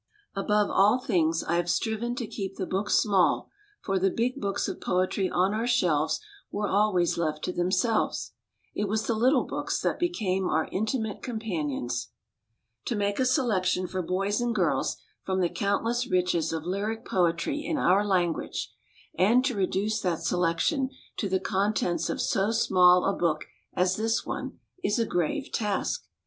Above all things I have striven to keep the book small, for the big books of poetry on our shelves were always left to themselves. It was the little books that became our intimate com panions. To make a selection for boys and girls from the countless riches of lyric poetry in our language, and to reduce that selection to the contents of so small a book as this one, is a grave task.